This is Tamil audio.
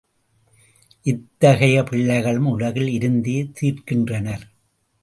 இத்தகைய பிள்ளைகளும் உலகில் இருந்தே தீர்கின்றனர்.